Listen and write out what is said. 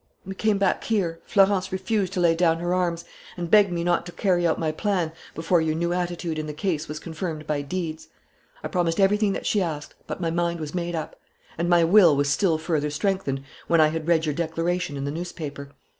"We came back here. Florence refused to lay down her arms and begged me not to carry out my plan before your new attitude in the case was confirmed by deeds. I promised everything that she asked. But my mind was made up. And my will was still further strengthened when I had read your declaration in the newspaper.